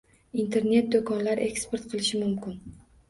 Internet -do'konlar eksport qilishi mumkin